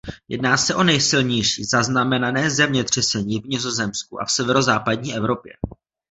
Jedná se o nejsilnější zaznamenané zemětřesení v Nizozemsku a v severozápadní Evropě.